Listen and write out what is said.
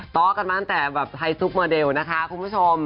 ๊อกกันมาตั้งแต่แบบไทยซุปโมเดลนะคะคุณผู้ชม